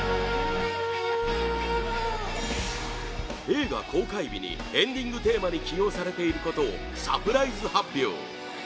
映画公開日にエンディングテーマに起用されていることをサプライズ発表